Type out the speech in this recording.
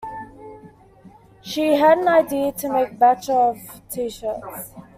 She had the idea to make a batch of T-shirts.